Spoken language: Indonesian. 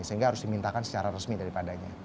sehingga harus dimintakan secara resmi daripadanya